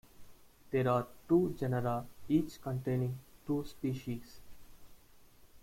There are two genera, each containing two species.